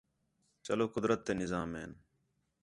چلو قُدرت تے نِظام ہِن